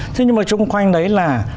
thế nhưng mà xung quanh đấy là